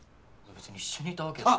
別に一緒にいたわけじゃ。